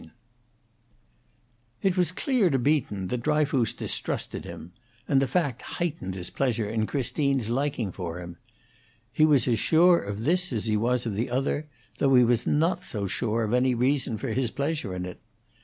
IV It was clear to Beaton that Dryfoos distrusted him; and the fact heightened his pleasure in Christine's liking for him. He was as sure of this as he was of the other, though he was not so sure of any reason for his pleasure in it.